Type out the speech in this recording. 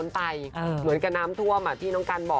แต่เดือดร้อนจริงนะครับ